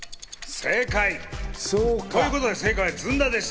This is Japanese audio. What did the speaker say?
正解！ということで正解は、ずんだでした。